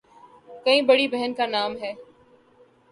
کی بڑی بہن کا نام